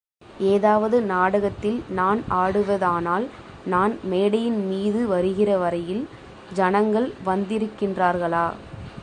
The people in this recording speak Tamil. ஏதாவது நாடகத்தில் நான் ஆடுவதானால், நான் மேடையின்மீது வருகிற வரையில், ஜனங்கள் வந்திருக்கின்றார்களா?